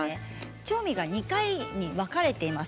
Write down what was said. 調味が２回に分かれています。